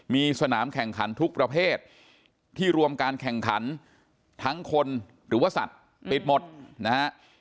มีสนามแข่งขันทุกประเภทที่รวมการแข่งขันทั้งคนหรือว่าสัตว์ปิดหมดนะฮะ